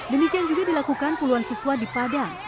demikian juga dilakukan puluhan siswa di padang